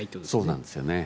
そうなんですね。